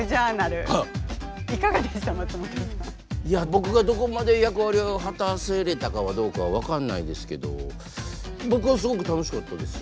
僕がどこまで役割を果たせれたかどうかは分かんないですけど僕はすごく楽しかったです。